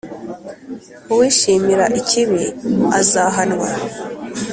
Uwishimira ikibi, azahanwa,